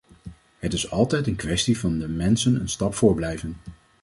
Het is altijd een kwestie van de mensen een stap voor blijven.